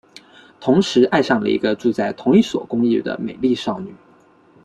同时爱上了一个住在同一所公寓的美丽少女。